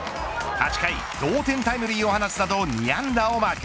８回、同点タイムリーを放つなど２安打をマーク。